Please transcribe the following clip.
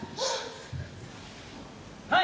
はい！